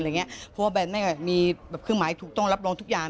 เพราะว่าแนนแม่มีแบบเครื่องหมายถูกต้องรับรองทุกอย่าง